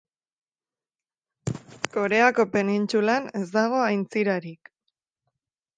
Koreako penintsulan ez dago aintzirarik.